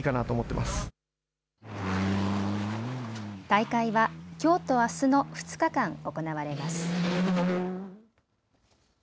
大会はきょうとあすの２日間行われます。